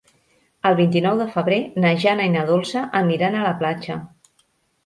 El vint-i-nou de febrer na Jana i na Dolça aniran a la platja.